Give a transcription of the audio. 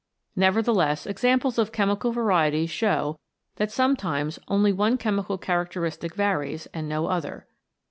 Nevertheless, examples of chemical varieties show that some times only one chemical characteristic varies, and no other.